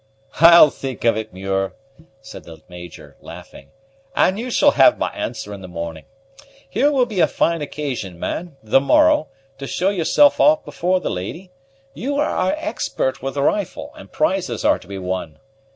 "I'll think of it, Muir," said the Major, laughing, "and you shall have my answer in the morning. Here will be a fine occasion, man, the morrow, to show yourself off before the lady; you are expert with the rifle, and prizes are to be won.